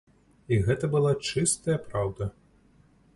І гэта была чыстая праўда!